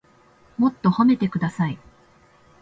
もっと褒めてください